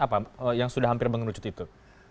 apa yang sudah hampir mengerucut itu